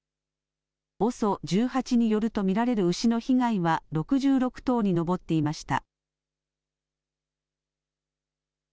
ＯＳＯ１８によると見られる牛の被害は６６頭に上っていました。